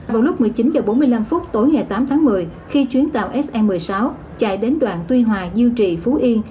vào lúc một mươi chín h bốn mươi năm tối ngày tám tháng một mươi khi chuyến tàu se một mươi sáu chạy đến đoạn tuy hòa dương trị phú yên